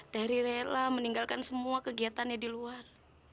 dari rela meninggalkan semua kegiatannya di luar